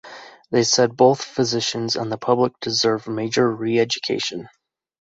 They said both physicians and the public deserve major re-education.